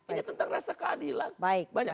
ini tentang rasa keadilan